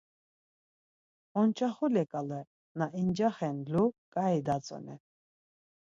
Onçaxule ǩala na incaxen lu ǩai datzonen.